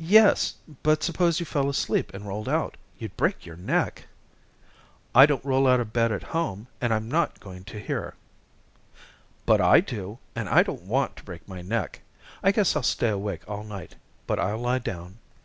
"Yes, but suppose you fell asleep and rolled out. You'd break your neck." "I don't roll out of bed at home, and I'm not going to here." "But I do, and I don't want to break my neck. I guess I'll stay awake all night, but I'll lie down."